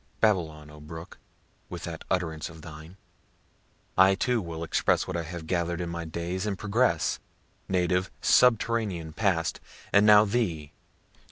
Babble on, O brook, with that utterance of thine! I too will express what I have gather'd in my days and progress, native, subterranean, past and now thee.